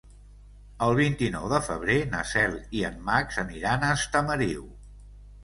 El vint-i-nou de febrer na Cel i en Max aniran a Estamariu.